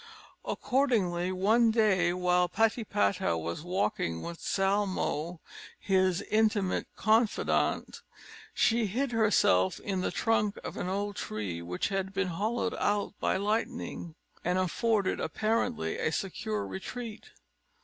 Accordingly, one day, while Patipata was walking with Salmoé, his intimate confidant, she hid herself in the trunk of an old tree, which had been hollowed out by lightning, and afforded apparently a secure retreat.